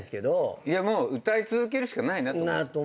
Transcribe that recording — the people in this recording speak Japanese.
いやもう歌い続けるしかないなと。